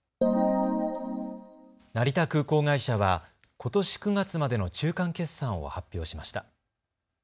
成田空港会社はことし９月までの中間決算を発表しました。